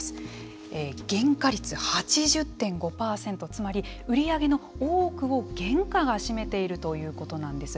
つまり売り上げの多くを原価が占めているということなんです。